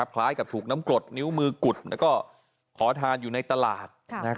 คล้ายกับถูกน้ำกรดนิ้วมือกุดแล้วก็ขอทานอยู่ในตลาด